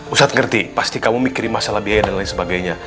ustadz ngerti pasti kamu mikirin masalah biaya dan lain sebagainya